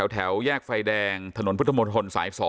แถวแยกไฟแดงถนนพุทธมนตรสาย๒